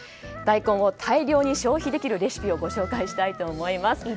大根を大量に消費できるレシピをご紹介したいと思います。